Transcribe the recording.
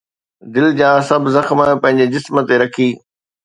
دل جا سڀ زخم پنهنجي جسم تي رکي